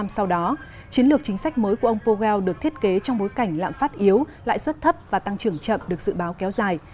sau đó chiến lược chính sách mới của ông powell được thiết kế trong bối cảnh lạm phát yếu lãi suất thấp và tăng trưởng chậm được dự báo kéo dài